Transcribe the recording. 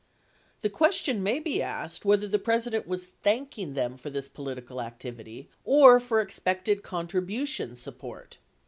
92 The question may be asked whether the President was thanking them for this political activity or for expected contribution "support."